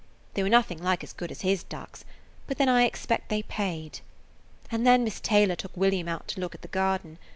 They were nothing like as good as his ducks, but then I expect they paid. And then Miss Taylor took William out to look at the garden.